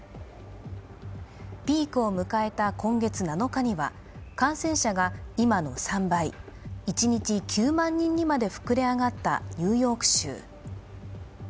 ピークを迎えた今月７日には、感染者が今の３倍、一日９万人にまで膨れ上がったニューヨーク州。